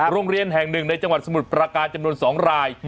โรงเรียนแห่งหนึ่งในจังหวัดสมุทรประการจำนวน๒ราย